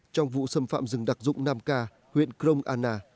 trong vụ xâm phạm rừng đặc dụng nam ca huyện krong anna